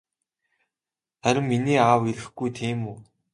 Харин миний аав ирэхгүй тийм үү?